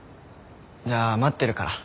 じゃあ待ってるから。